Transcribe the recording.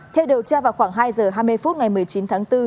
theo điều tra vào khoảng hai giờ hai mươi phút ngày một mươi chín tháng bốn